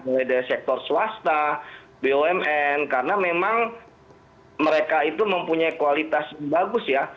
mulai dari sektor swasta bumn karena memang mereka itu mempunyai kualitas yang bagus ya